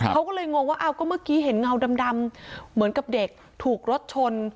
เขาก็เลยงงว่าก็เมื่อกี้เห็นเงาดำเหมือนกับเด็กถูกรถชน